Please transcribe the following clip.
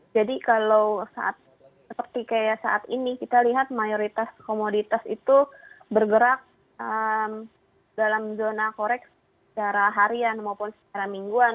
jadi kalau seperti saat ini kita lihat mayoritas komoditas itu bergerak dalam zona koreks secara harian maupun secara mingguan